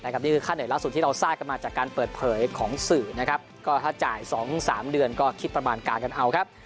นี่คือค่าเหนื่อยล่าสุดที่เราทราบกันมาจากการเปิดเผยของสื่อนะครับก็ถ้าจ่าย๒๓เดือนก็คิดประมาณการกันเอาครับ